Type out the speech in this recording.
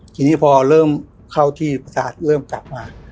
ทีนี้พอเริ่มเข้าที่ประสาทเริ่มกลับมา